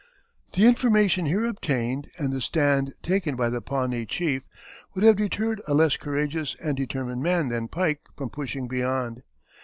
The information here obtained and the stand taken by the Pawnee chief would have deterred a less courageous and determined man than Pike from pushing beyond.